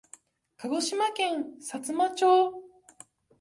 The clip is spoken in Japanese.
鹿児島県さつま町